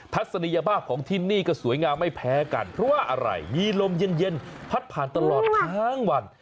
ทัศนียภาพของที่นี่ก็สวยงามไม่แพ้กันเพราะว่าอะไรมีลมเย็นพัดผ่านตลอดทั้งวัน